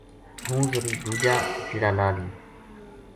ہوں زری دُوجا چِڑا لا لیوں “